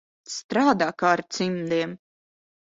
Strādā kā ar cimdiem.